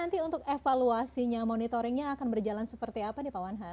nah ini nanti untuk evaluasinya monitoringnya akan berjalan seperti apa nih pak wan hart